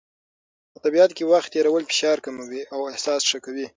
په طبیعت کې وخت تېرول فشار کموي او احساس ښه کوي.